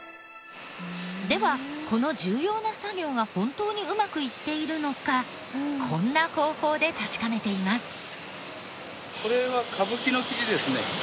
ではこの重要な作業が本当にうまくいっているのかこんな方法で確かめています。